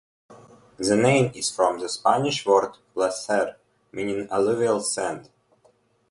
The name is from the Spanish word "placer", meaning "alluvial sand".